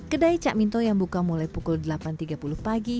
kedai cak minto yang buka mulai pukul delapan tiga puluh pagi